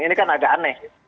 ini kan agak aneh